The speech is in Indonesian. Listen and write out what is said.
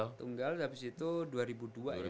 tunggal habis itu dua ribu dua ya